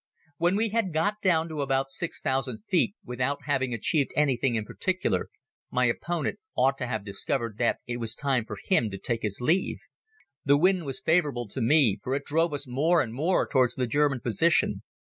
When we had got down to about 6,000 feet without having achieved anything in particular, my opponent ought to have discovered that it was time for him to take his leave. The wind was favorable to me for it drove us more and more towards the German position.